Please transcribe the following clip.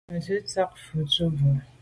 Me tswe’ tsha mfe tu bwe.